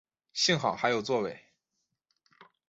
幸好还有座位